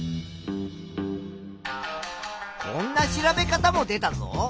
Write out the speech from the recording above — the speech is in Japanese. こんな調べ方も出たぞ。